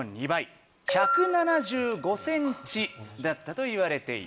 １７５ｃｍだったといわれています。